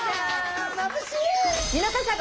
まぶしい！